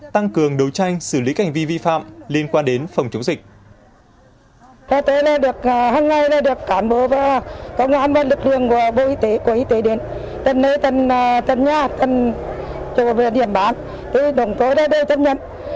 tăng cường đấu tranh xử lý cảnh vi vi phạm liên quan đến phòng chủng dịch